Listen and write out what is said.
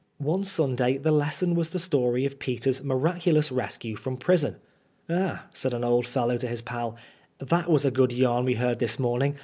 One Sunday the lesson was the story of Peter's miraculous rescue from prison. *^Ah," said an old fellow to his pal, '' that was a good yarn we heard this morning.